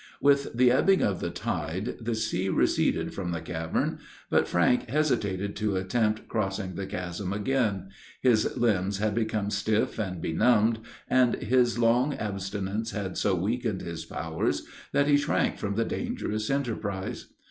With the ebbing of the tide, the sea receded from the cavern; but Frank hesitated to attempt crossing the chasm again; his limbs had become stiff and benumbed, and his long abstinence had so weakened his powers that he shrank from the dangerous enterprise.